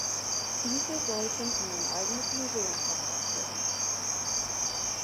Diese sollten in ein eigenes Museum verbracht werden.